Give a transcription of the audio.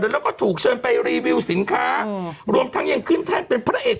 แล้วก็ถูกเชิญไปรีวิวสินค้ารวมทั้งยังขึ้นแท่นเป็นพระเอก